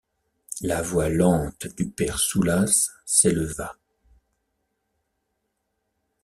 La voix lente du père Soulas s’éleva.